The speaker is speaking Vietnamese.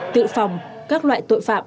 tự phòng các loại tội phạm